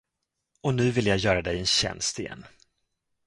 Och nu vill jag göra dig en tjänst igen.